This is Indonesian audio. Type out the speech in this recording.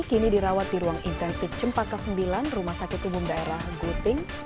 kini dirawat di ruang intensif cempaka sembilan rumah sakit umum daerah guting